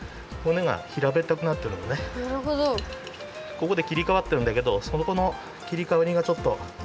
ここできりかわってるんだけどそこのきりかわりがちょっとむずかしいかな。